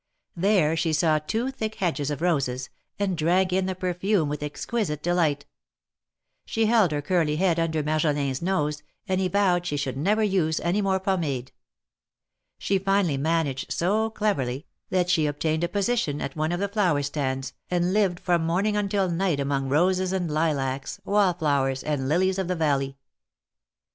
There she saw two thick hedges of roses, and drank in the perfume with exquisite delight. She held her curly head under Marjolin's nose, and he vowed she should never use any more pomade. She finally managed so cleverly, that she obtained a position at one of the flower stands, and lived from morning until night among roses and lilacs, wall flowers, and lilies of the valley.